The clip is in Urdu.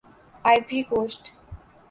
Ivory Coast